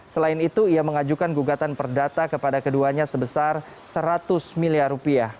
selain itu ia mengajukan gugatan perdata kepada keduanya sebesar seratus miliar rupiah